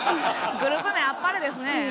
グループ名あっぱれですね。